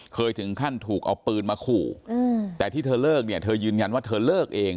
เคยถึงขั้นถูกเอาปืนมาขู่แต่ที่เธอเลิกเนี่ยเธอยืนยันว่าเธอเลิกเอง